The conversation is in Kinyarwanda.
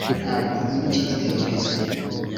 ntabwo nkunda iki gitekerezo